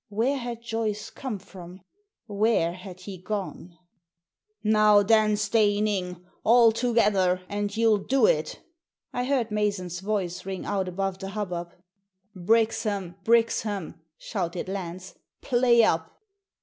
Where had Joyce come from ? Where had he gone ? "Now then, Steyning! All together, and you'll do it!" I heard Mason's voice ring out above the hubbub. " Brixham, Brixham !" shouted Lance. " Play up!